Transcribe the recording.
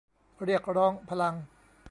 เรียกร้องพลัง